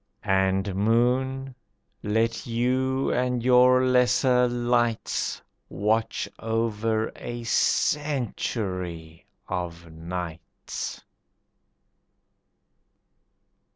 And, Moon, let you and your lesser lights Watch over a century of nights.